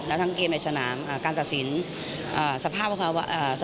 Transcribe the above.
และทั้งเกมในชนะน้ำการตัดสินสภาพภูมิอากาศ